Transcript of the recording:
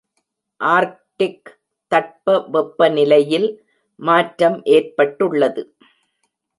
Arctic தட்ப வெப்ப நிலையில் மாற்றம் ஏற்பட்டுள்ளது.